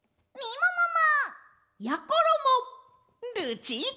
ももも！